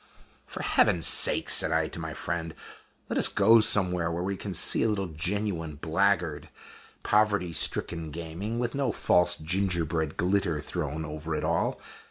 "For Heaven's sake," said I to my friend, "let us go somewhere where we can see a little genuine, blackguard, poverty stricken gaming with no false gingerbread glitter thrown over it all.